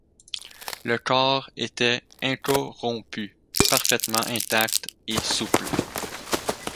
Le corps était incorrompu, parfaitement intact et souple.